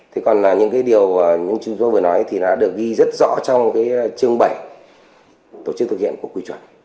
thế còn là những cái điều như chúng tôi vừa nói thì đã được ghi rất rõ trong cái chương bảy tổ chức thực hiện của quy chuẩn